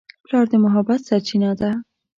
پلار د محبت سرچینه ده.